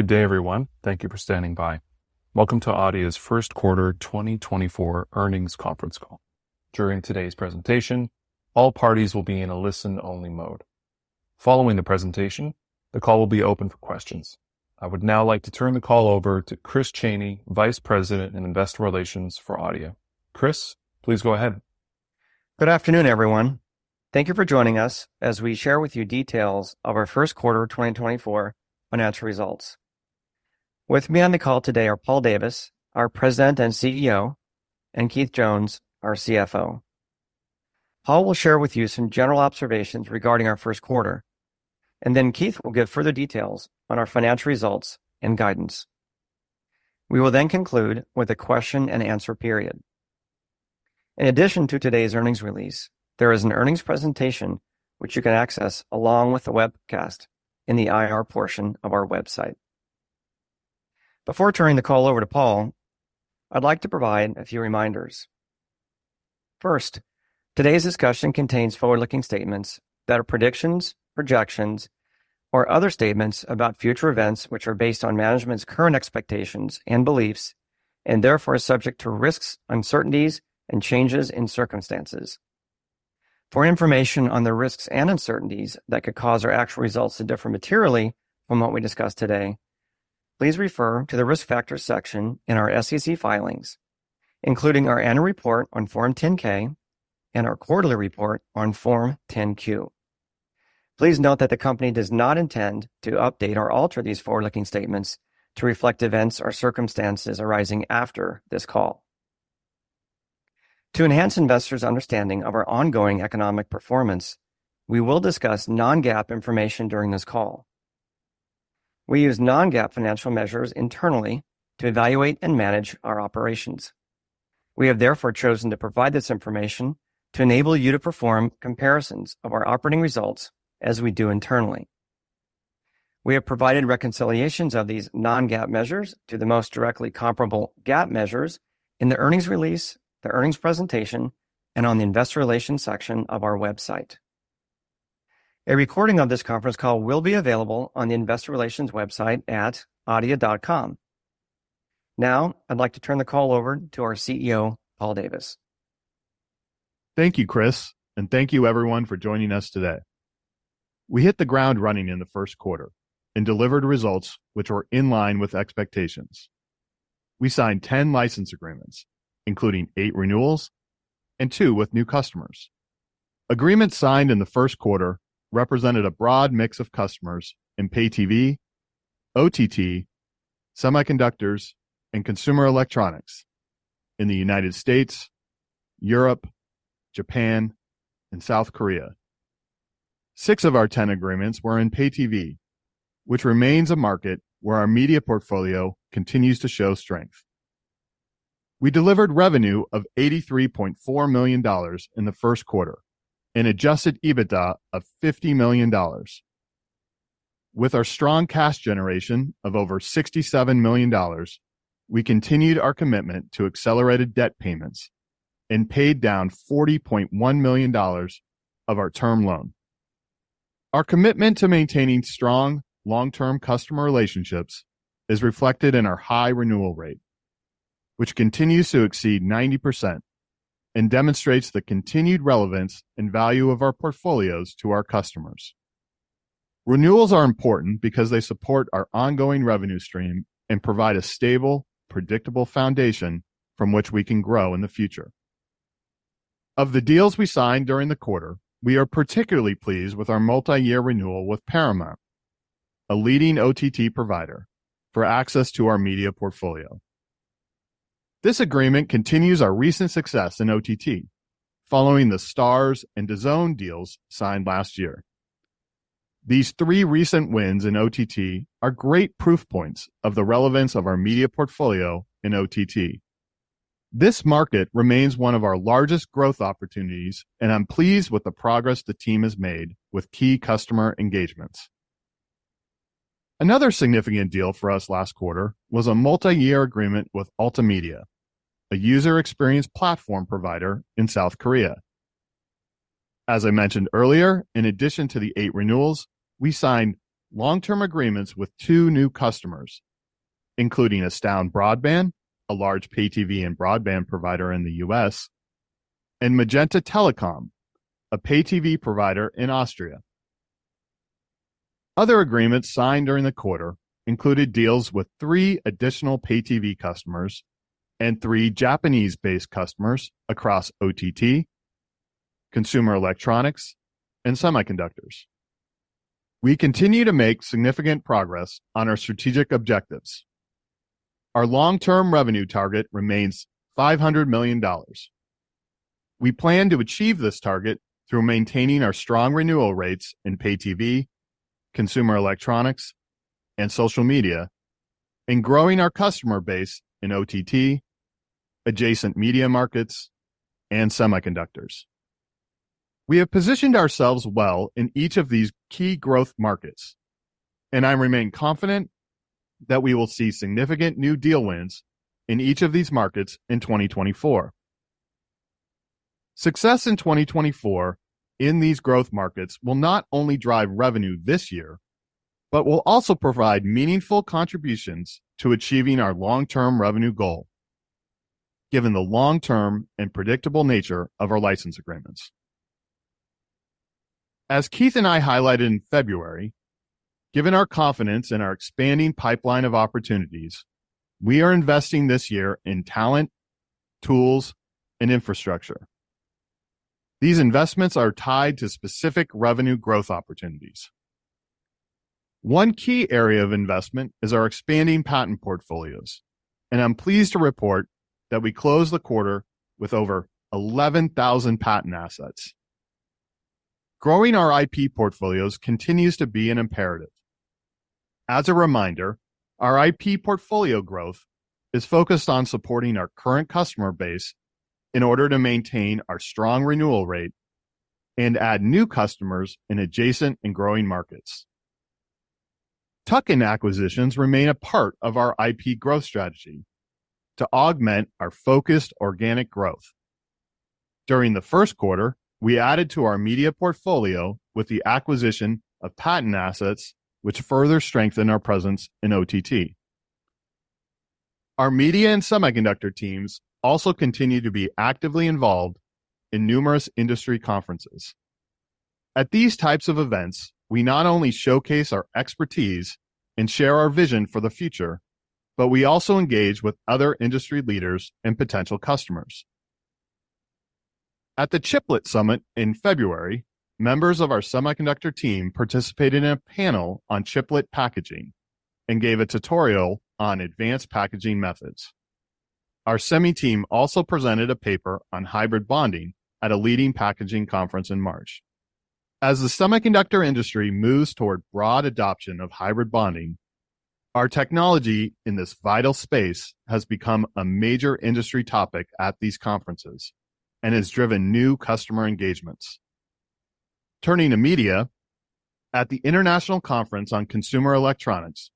Good day, everyone. Thank you for standing by. Welcome to Adeia's First Quarter 2024 Earnings Conference Call. During today's presentation, all parties will be in a listen-only mode. Following the presentation, the call will be open for questions. I would now like to turn the call over to Chris Chaney, Vice President of Investor Relations for Adeia. Chris, please go ahead. Good afternoon, everyone. Thank you for joining us as we share with you details of our first quarter 2024 financial results. With me on the call today are Paul Davis, our President and CEO, and Keith Jones, our CFO. Paul will share with you some general observations regarding our first quarter, and then Keith will give further details on our financial results and guidance. We will then conclude with a question-and-answer period. In addition to today's earnings release, there is an earnings presentation which you can access along with the webcast in the IR portion of our website. Before turning the call over to Paul, I'd like to provide a few reminders. First, today's discussion contains forward-looking statements that are predictions, projections, or other statements about future events which are based on management's current expectations and beliefs, and therefore are subject to risks, uncertainties, and changes in circumstances. For information on the risks and uncertainties that could cause our actual results to differ materially from what we discussed today, please refer to the risk factors section in our SEC filings, including our annual report on Form 10-K and our quarterly report on Form 10-Q. Please note that the company does not intend to update or alter these forward-looking statements to reflect events or circumstances arising after this call. To enhance investors' understanding of our ongoing economic performance, we will discuss non-GAAP information during this call. We use non-GAAP financial measures internally to evaluate and manage our operations. We have therefore chosen to provide this information to enable you to perform comparisons of our operating results as we do internally. We have provided reconciliations of these non-GAAP measures to the most directly comparable GAAP measures in the earnings release, the earnings presentation, and on the investor relations section of our website. A recording of this conference call will be available on the investor relations website at adeia.com. Now, I'd like to turn the call over to our CEO, Paul Davis. Thank you, Chris, and thank you, everyone, for joining us today. We hit the ground running in the first quarter and delivered results which were in line with expectations. We signed 10 license agreements, including eight renewals and two with new customers. Agreements signed in the first quarter represented a broad mix of customers in Pay-TV, OTT, semiconductors, and consumer electronics in the United States, Europe, Japan, and South Korea. Six of our 10 agreements were in Pay-TV, which remains a market where our media portfolio continues to show strength. We delivered revenue of $83.4 million in the first quarter and Adjusted EBITDA of $50 million. With our strong cash generation of over $67 million, we continued our commitment to accelerated debt payments and paid down $40.1 million of our term loan. Our commitment to maintaining strong long-term customer relationships is reflected in our high renewal rate, which continues to exceed 90% and demonstrates the continued relevance and value of our portfolios to our customers. Renewals are important because they support our ongoing revenue stream and provide a stable, predictable foundation from which we can grow in the future. Of the deals we signed during the quarter, we are particularly pleased with our multi-year renewal with Paramount, a leading OTT provider, for access to our media portfolio. This agreement continues our recent success in OTT, following the Starz and DAZN deals signed last year. These three recent wins in OTT are great proof points of the relevance of our media portfolio in OTT. This market remains one of our largest growth opportunities, and I'm pleased with the progress the team has made with key customer engagements. Another significant deal for us last quarter was a multi-year agreement with Altimedia, a user experience platform provider in South Korea. As I mentioned earlier, in addition to the eight renewals, we signed long-term agreements with two new customers, including Astound Broadband, a large Pay-TV and broadband provider in the U.S., and Magenta Telekom, a Pay-TV provider in Austria. Other agreements signed during the quarter included deals with three additional Pay-TV customers and three Japanese-based customers across OTT, consumer electronics, and semiconductors. We continue to make significant progress on our strategic objectives. Our long-term revenue target remains $500 million. We plan to achieve this target through maintaining our strong renewal rates in Pay-TV, consumer electronics, and social media, and growing our customer base in OTT, adjacent media markets, and semiconductors. We have positioned ourselves well in each of these key growth markets, and I remain confident that we will see significant new deal wins in each of these markets in 2024. Success in 2024 in these growth markets will not only drive revenue this year but will also provide meaningful contributions to achieving our long-term revenue goal, given the long-term and predictable nature of our license agreements. As Keith and I highlighted in February, given our confidence in our expanding pipeline of opportunities, we are investing this year in talent, tools, and infrastructure. These investments are tied to specific revenue growth opportunities. One key area of investment is our expanding patent portfolios, and I'm pleased to report that we closed the quarter with over 11,000 patent assets. Growing our IP portfolios continues to be an imperative. As a reminder, our IP portfolio growth is focused on supporting our current customer base in order to maintain our strong renewal rate and add new customers in adjacent and growing markets. Tuck-in acquisitions remain a part of our IP growth strategy to augment our focused organic growth. During the first quarter, we added to our media portfolio with the acquisition of patent assets, which further strengthened our presence in OTT. Our media and semiconductor teams also continue to be actively involved in numerous industry conferences. At these types of events, we not only showcase our expertise and share our vision for the future, but we also engage with other industry leaders and potential customers. At the Chiplet Summit in February, members of our semiconductor team participated in a panel on chiplet packaging and gave a tutorial on advanced packaging methods. Our semi-team also presented a paper on hybrid bonding at a leading packaging conference in March. As the semiconductor industry moves toward broad adoption of hybrid bonding, our technology in this vital space has become a major industry topic at these conferences and has driven new customer engagements. Turning to media, at the International Conference on Consumer Electronics,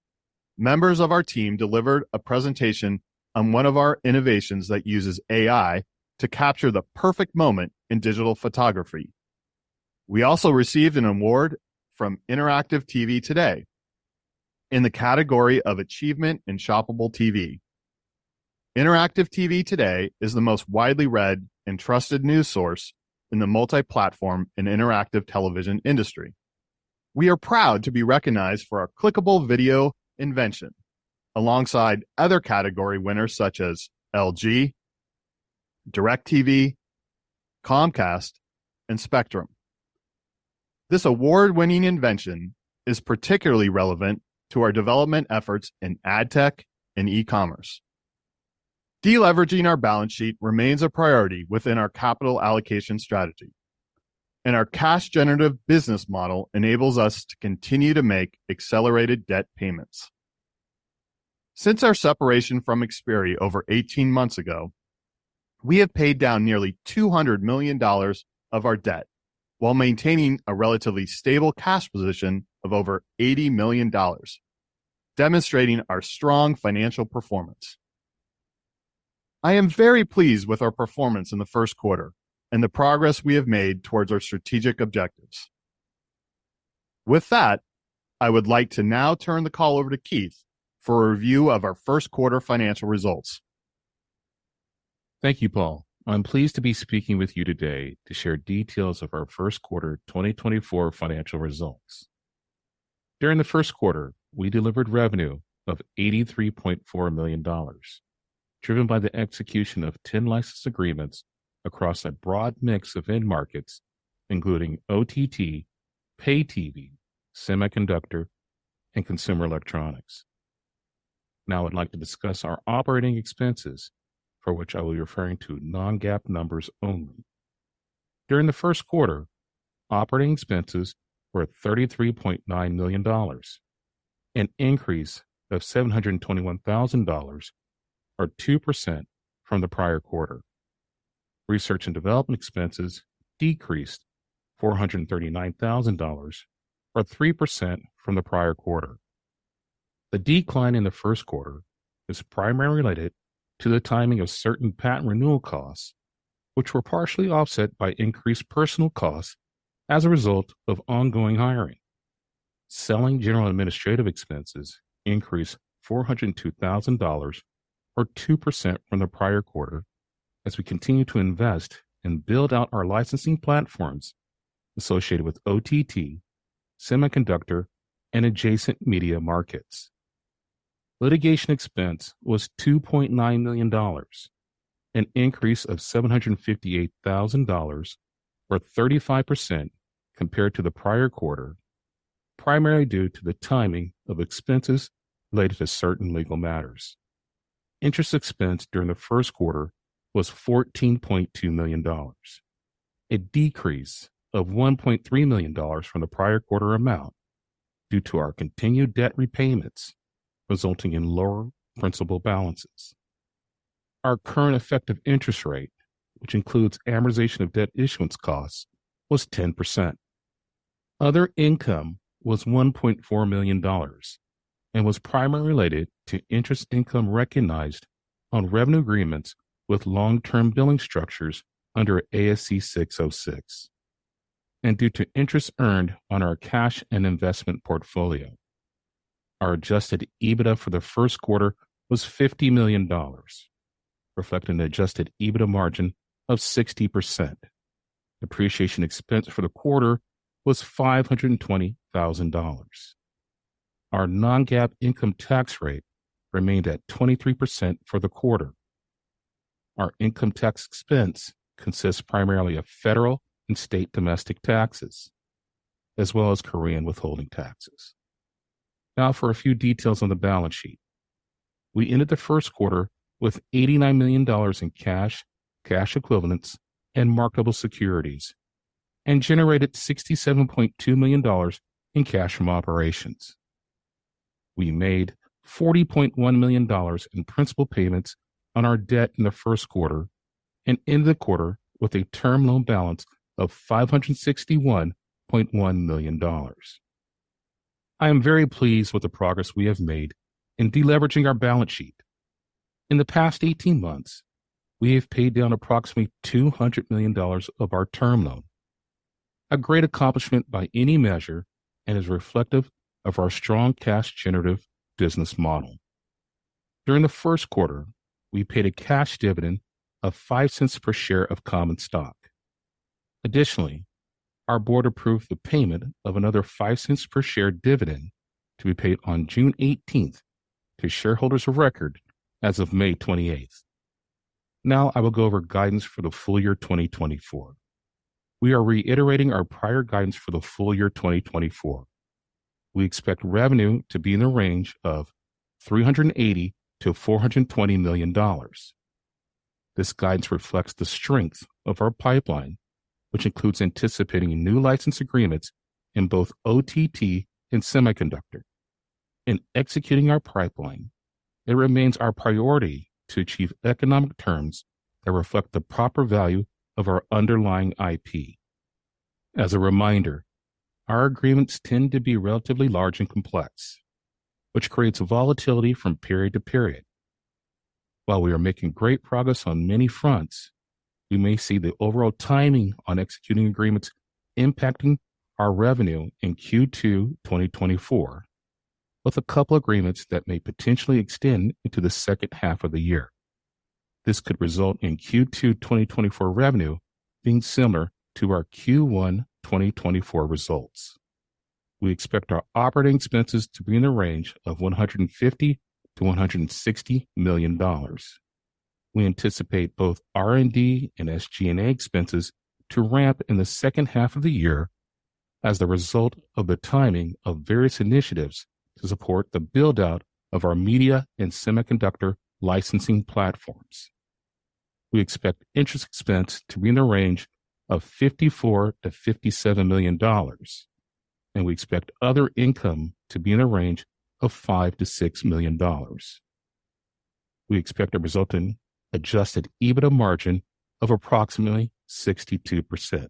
members of our team delivered a presentation on one of our innovations that uses AI to capture the perfect moment in digital photography. We also received an award from Interactive TV Today in the category of achievement in shoppable TV. Interactive TV Today is the most widely read and trusted news source in the multi-platform and interactive television industry. We are proud to be recognized for our clickable video invention alongside other category winners such as LG, DIRECTV, Comcast, and Spectrum. This award-winning invention is particularly relevant to our development efforts in ad tech and e-commerce. Deleveraging our balance sheet remains a priority within our capital allocation strategy, and our cash-generative business model enables us to continue to make accelerated debt payments. Since our separation from Xperi over 18 months ago, we have paid down nearly $200 million of our debt while maintaining a relatively stable cash position of over $80 million, demonstrating our strong financial performance. I am very pleased with our performance in the first quarter and the progress we have made towards our strategic objectives. With that, I would like to now turn the call over to Keith for a review of our first quarter financial results. Thank you, Paul. I'm pleased to be speaking with you today to share details of our first quarter 2024 financial results. During the first quarter, we delivered revenue of $83.4 million, driven by the execution of 10 license agreements across a broad mix of end markets, including OTT, Pay-TV, semiconductor, and consumer electronics. Now, I'd like to discuss our operating expenses, for which I will be referring to non-GAAP numbers only. During the first quarter, operating expenses were $33.9 million, an increase of $721,000 or 2% from the prior quarter. Research and development expenses decreased $439,000 or 3% from the prior quarter. The decline in the first quarter is primarily related to the timing of certain patent renewal costs, which were partially offset by increased personnel costs as a result of ongoing hiring. Selling general administrative expenses increased $402,000 or 2% from the prior quarter as we continue to invest and build out our licensing platforms associated with OTT, semiconductor, and adjacent media markets. Litigation expense was $2.9 million, an increase of $758,000 or 35% compared to the prior quarter, primarily due to the timing of expenses related to certain legal matters. Interest expense during the first quarter was $14.2 million, a decrease of $1.3 million from the prior quarter amount due to our continued debt repayments resulting in lower principal balances. Our current effective interest rate, which includes amortization of debt issuance costs, was 10%. Other income was $1.4 million and was primarily related to interest income recognized on revenue agreements with long-term billing structures under ASC 606 and due to interest earned on our cash and investment portfolio. Our Adjusted EBITDA for the first quarter was $50 million, reflecting an Adjusted EBITDA margin of 60%. Depreciation expense for the quarter was $520,000. Our non-GAAP income tax rate remained at 23% for the quarter. Our income tax expense consists primarily of federal and state domestic taxes, as well as Korean withholding taxes. Now, for a few details on the balance sheet. We ended the first quarter with $89 million in cash, cash equivalents, and marketable securities, and generated $67.2 million in cash from operations. We made $40.1 million in principal payments on our debt in the first quarter and ended the quarter with a term loan balance of $561.1 million. I am very pleased with the progress we have made in deleveraging our balance sheet. In the past 18 months, we have paid down approximately $200 million of our term loan, a great accomplishment by any measure and is reflective of our strong cash-generative business model. During the first quarter, we paid a cash dividend of $0.05 per share of common stock. Additionally, our board approved the payment of another $0.05 per share dividend to be paid on June 18th to shareholders of record as of May 28th. Now, I will go over guidance for the full year 2024. We are reiterating our prior guidance for the full year 2024. We expect revenue to be in the range of $380 million-$420 million. This guidance reflects the strength of our pipeline, which includes anticipating new license agreements in both OTT and semiconductor. In executing our pipeline, it remains our priority to achieve economic terms that reflect the proper value of our underlying IP. As a reminder, our agreements tend to be relatively large and complex, which creates volatility from period to period. While we are making great progress on many fronts, we may see the overall timing on executing agreements impacting our revenue in Q2 2024, with a couple of agreements that may potentially extend into the second half of the year. This could result in Q2 2024 revenue being similar to our Q1 2024 results. We expect our operating expenses to be in the range of $150 million-$160 million. We anticipate both R&D and SG&A expenses to ramp in the second half of the year as a result of the timing of various initiatives to support the buildout of our media and semiconductor licensing platforms. We expect interest expense to be in the range of $54 million-$57 million, and we expect other income to be in the range of $5 million-$6 million. We expect a resulting Adjusted EBITDA margin of approximately 62%.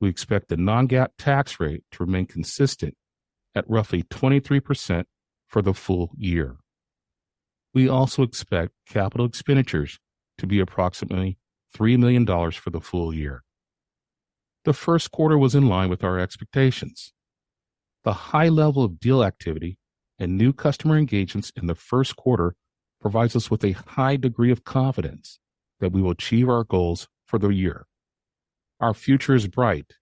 We expect the non-GAAP tax rate to remain consistent at roughly 23% for the full year. We also expect capital expenditures to be approximately $3 million for the full year. The first quarter was in line with our expectations. The high level of deal activity and new customer engagements in the first quarter provides us with a high degree of confidence that we will achieve our goals for the year. Our future is bright,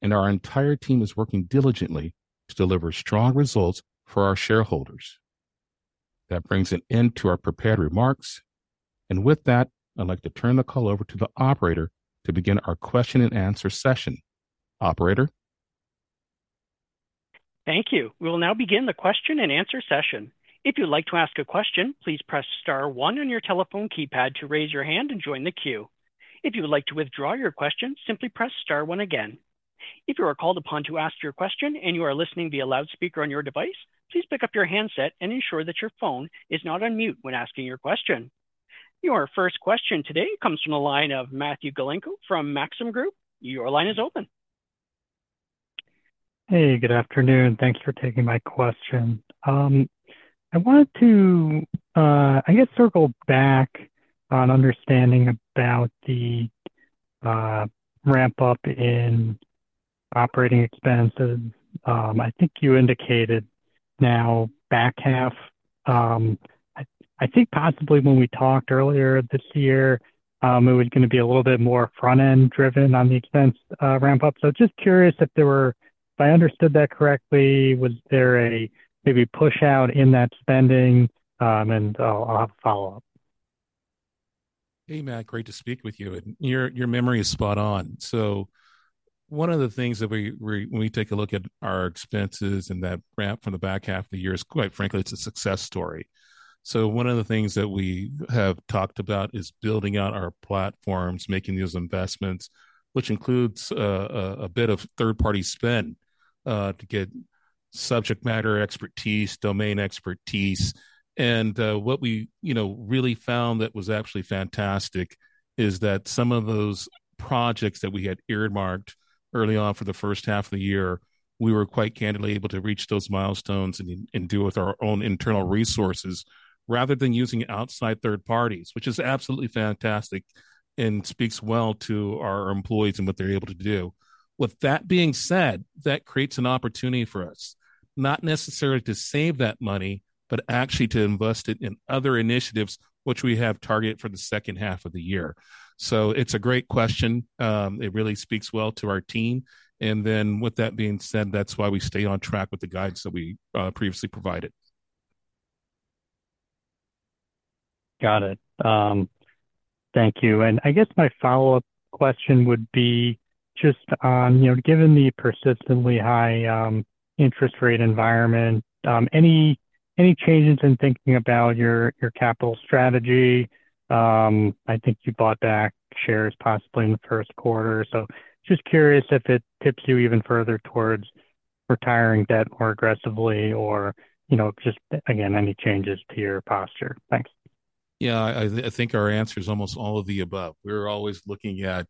and our entire team is working diligently to deliver strong results for our shareholders. That brings an end to our prepared remarks, and with that, I'd like to turn the call over to the operator to begin our question-and-answer session. Operator? Thank you. We will now begin the question-and-answer session. If you'd like to ask a question, please press star one on your telephone keypad to raise your hand and join the queue. If you would like to withdraw your question, simply press star one again. If you are called upon to ask your question and you are listening via loudspeaker on your device, please pick up your handset and ensure that your phone is not on mute when asking your question. Your first question today comes from the line of Matthew Galinko from Maxim Group. Your line is open. Hey, good afternoon. Thanks for taking my question. I wanted to, I guess, circle back on understanding about the ramp-up in operating expenses. I think you indicated now back half. I think possibly when we talked earlier this year, it was going to be a little bit more front-end driven on the expense ramp-up. So just curious if there were, if I understood that correctly, was there a maybe push out in that spending, and I'll have a follow-up? Hey, Matt. Great to speak with you. And your memory is spot on. So one of the things that we, when we take a look at our expenses and that ramp from the back half of the year, quite frankly, it's a success story. So one of the things that we have talked about is building out our platforms, making those investments, which includes a bit of third-party spend to get subject matter expertise, domain expertise. And what we really found that was actually fantastic is that some of those projects that we had earmarked early on for the first half of the year, we were quite candidly able to reach those milestones and do with our own internal resources rather than using outside third parties, which is absolutely fantastic and speaks well to our employees and what they're able to do. With that being said, that creates an opportunity for us, not necessarily to save that money, but actually to invest it in other initiatives, which we have targeted for the second half of the year. So it's a great question. It really speaks well to our team. And then with that being said, that's why we stay on track with the guidance that we previously provided. Got it. Thank you. And I guess my follow-up question would be just on, given the persistently high interest rate environment, any changes in thinking about your capital strategy? I think you bought back shares possibly in the first quarter. So just curious if it tips you even further towards retiring debt more aggressively or just, again, any changes to your posture. Thanks. Yeah, I think our answer is almost all of the above. We're always looking at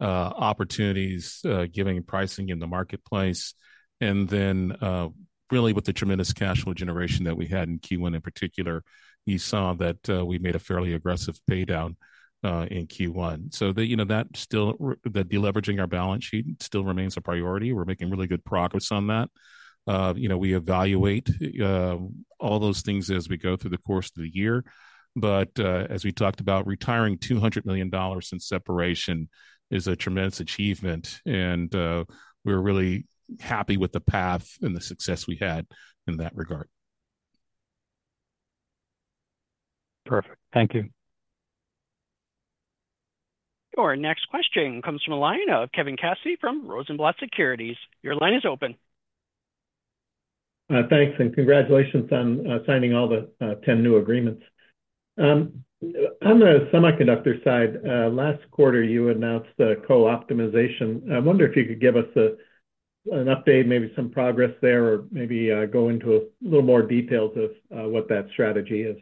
opportunities, given pricing in the marketplace. And then really with the tremendous cash flow generation that we had in Q1 in particular, you saw that we made a fairly aggressive paydown in Q1. So that still, that deleveraging our balance sheet still remains a priority. We're making really good progress on that. We evaluate all those things as we go through the course of the year. But as we talked about, retiring $200 million since separation is a tremendous achievement, and we're really happy with the path and the success we had in that regard. Perfect. Thank you. Your next question comes from a line of Kevin Cassidy from Rosenblatt Securities. Your line is open. Thanks. And congratulations on signing all the 10 new agreements. On the semiconductor side, last quarter, you announced co-optimization. I wonder if you could give us an update, maybe some progress there, or maybe go into a little more details of what that strategy is.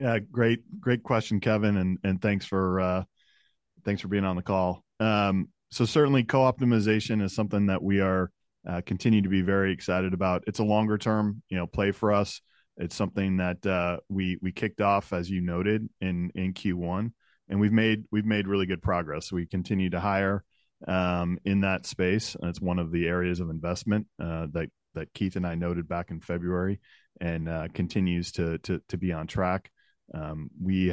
Yeah, great question, Kevin. Thanks for being on the call. Certainly, co-optimization is something that we continue to be very excited about. It's a longer-term play for us. It's something that we kicked off, as you noted, in Q1. We've made really good progress. We continue to hire in that space. It's one of the areas of investment that Keith and I noted back in February and continues to be on track. We've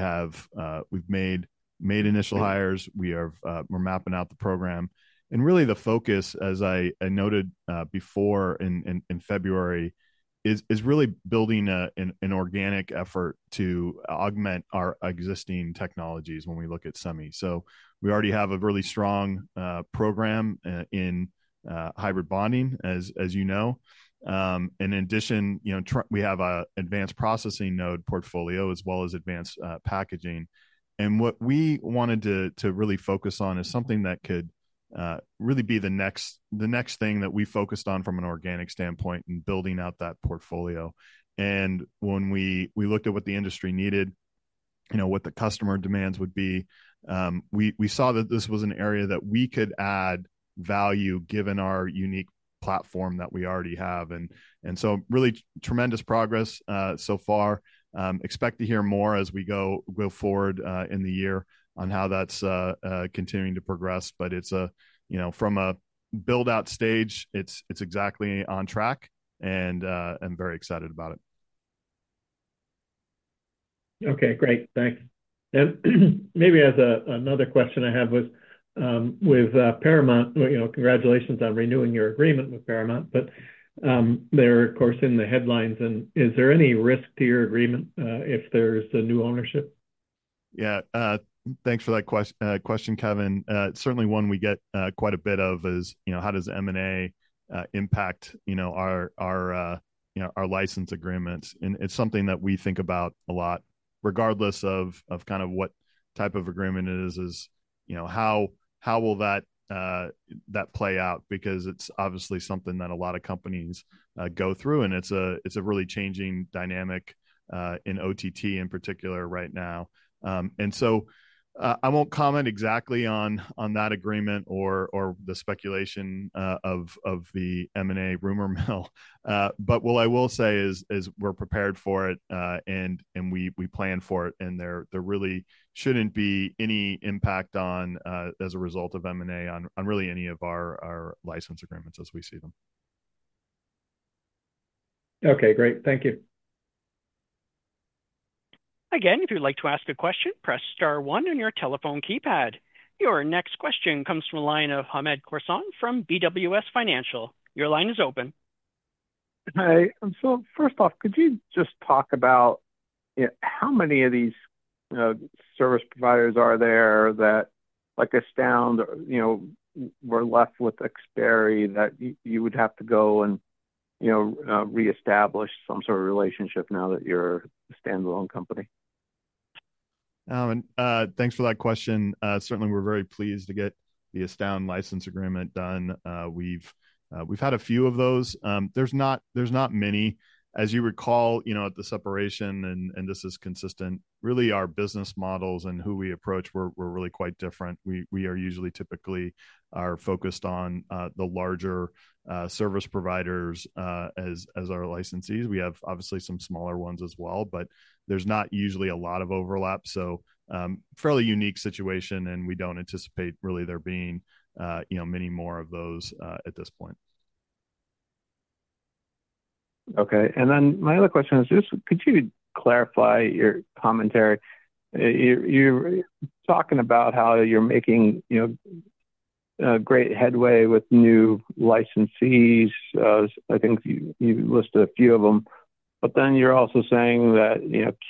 made initial hires. We're mapping out the program. Really, the focus, as I noted before in February, is really building an organic effort to augment our existing technologies when we look at semi. We already have a really strong program in hybrid bonding, as you know. In addition, we have an advanced processing node portfolio as well as advanced packaging. What we wanted to really focus on is something that could really be the next thing that we focused on from an organic standpoint in building out that portfolio. When we looked at what the industry needed, what the customer demands would be, we saw that this was an area that we could add value given our unique platform that we already have. So really tremendous progress so far. Expect to hear more as we go forward in the year on how that's continuing to progress. But from a buildout stage, it's exactly on track. I'm very excited about it. Okay, great. Thanks. And maybe as another question I have with Paramount, congratulations on renewing your agreement with Paramount. But they're, of course, in the headlines. And is there any risk to your agreement if there's a new ownership? Yeah, thanks for that question, Kevin. Certainly, one we get quite a bit of is, how does M&A impact our license agreements? And it's something that we think about a lot. Regardless of kind of what type of agreement it is, how will that play out? Because it's obviously something that a lot of companies go through. And it's a really changing dynamic in OTT in particular right now. And so I won't comment exactly on that agreement or the speculation of the M&A rumor mill. But what I will say is we're prepared for it, and we plan for it. And there really shouldn't be any impact as a result of M&A on really any of our license agreements as we see them. Okay, great. Thank you. Again, if you'd like to ask a question, press star one on your telephone keypad. Your next question comes from a line of Hamed Khorsand from BWS Financial. Your line is open. Hi. So first off, could you just talk about how many of these service providers are there that Astound or were left with Xperi that you would have to go and reestablish some sort of relationship now that you're a standalone company? Thanks for that question. Certainly, we're very pleased to get the Astound license agreement done. We've had a few of those. There's not many. As you recall at the separation, and this is consistent, really, our business models and who we approach were really quite different. We are usually typically focused on the larger service providers as our licensees. We have obviously some smaller ones as well. But there's not usually a lot of overlap. So fairly unique situation, and we don't anticipate really there being many more of those at this point. Okay. And then my other question is just, could you clarify your commentary? You're talking about how you're making great headway with new licensees. I think you listed a few of them. But then you're also saying that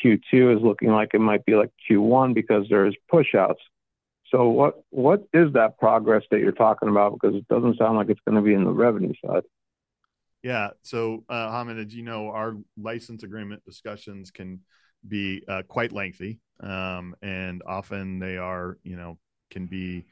Q2 is looking like it might be like Q1 because there's push outs. So what is that progress that you're talking about? Because it doesn't sound like it's going to be in the revenue side. Yeah. So Hamed, as you know, our license agreement discussions can be quite lengthy. Often, they can be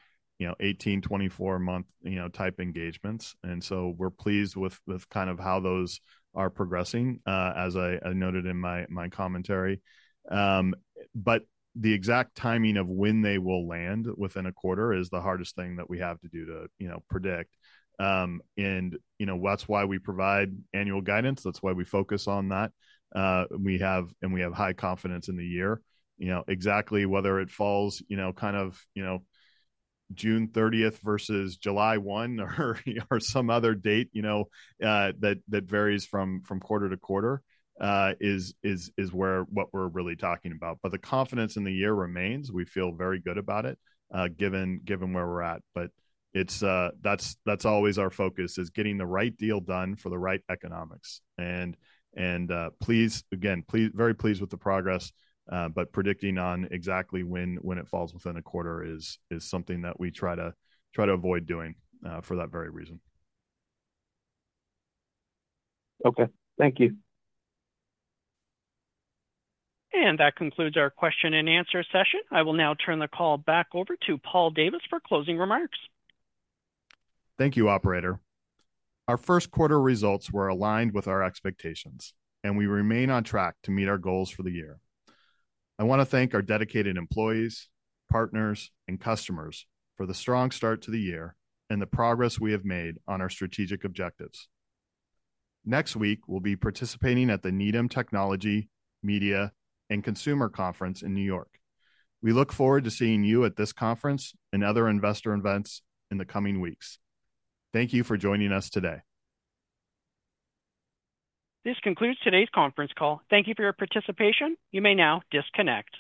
18-24-month type engagements. And so we're pleased with kind of how those are progressing, as I noted in my commentary. But the exact timing of when they will land within a quarter is the hardest thing that we have to do to predict. And that's why we provide annual guidance. That's why we focus on that. And we have high confidence in the year. Exactly whether it falls kind of June 30th versus July 1 or some other date that varies from quarter to quarter is what we're really talking about. But the confidence in the year remains. We feel very good about it given where we're at. But that's always our focus, is getting the right deal done for the right economics. And again, very pleased with the progress. Predicting on exactly when it falls within a quarter is something that we try to avoid doing for that very reason. Okay. Thank you. That concludes our question-and-answer session. I will now turn the call back over to Paul Davis for closing remarks. Thank you, operator. Our first quarter results were aligned with our expectations, and we remain on track to meet our goals for the year. I want to thank our dedicated employees, partners, and customers for the strong start to the year and the progress we have made on our strategic objectives. Next week, we'll be participating at the Needham Technology, Media, and Consumer Conference in New York. We look forward to seeing you at this conference and other investor events in the coming weeks. Thank you for joining us today. This concludes today's conference call. Thank you for your participation. You may now disconnect.